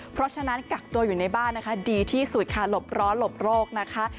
เพราะฉะนั้นกักตัวอยู่ในบ้านนะคะดีที่สุดค่ะหลบร้อนหลบโรคนะคะ